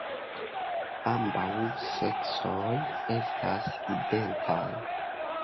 Ambaŭ seksoj estas identaj.